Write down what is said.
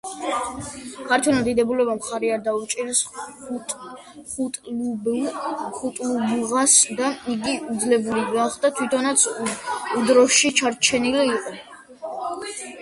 ქართველმა დიდებულებმა მხარი არ დაუჭირეს ხუტლუბუღას და იგი იძულებული გახდა თვითონაც ურდოში დარჩენილიყო.